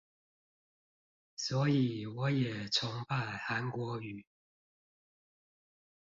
所以我也崇拜韓國瑜